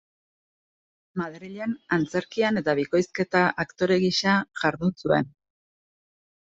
Madrilen antzerkian eta bikoizketa aktore gisa jardun zuen.